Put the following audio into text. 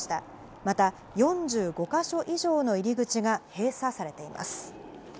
また、４５か所以上の入り口が閉鎖されています。